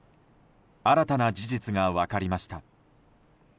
新たな事実が分かりました。